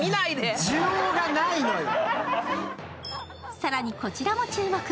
更にこちらも注目。